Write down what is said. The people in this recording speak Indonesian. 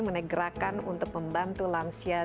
menegrakan untuk membantu lansia